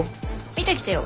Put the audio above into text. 見てきてよ。